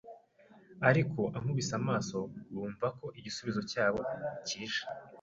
ariko ankubise amaso bumva ko igisubizo cyabo cyije.